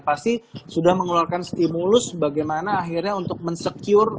pasti sudah mengeluarkan stimulus bagaimana akhirnya untuk mensecure